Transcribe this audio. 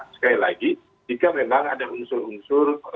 sekali lagi jika memang ada unsur unsur